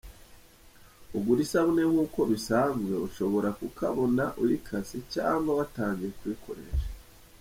Ugura isabune nk’uko bisanzwe, ushobora kukabona uyikase, cyangwa watangiye kuyikoresha.